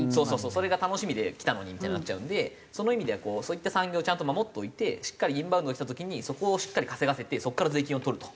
それが楽しみで来たのにみたいになっちゃうんでその意味ではそういった産業をちゃんと守っておいてしっかりインバウンドがきた時にそこをしっかり稼がせてそこから税金を取ると。